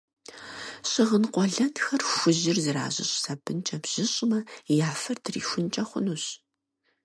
Щыгъын къуэлэнхэр хужьыр зэражьыщӏ сабынкӏэ бжьыщӏмэ, я фэр трихункӏэ хъунущ.